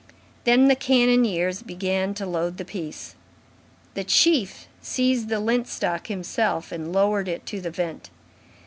Then the cannoneers began to load the piece. The chief seized the lint stock himself and lowered it to the vent.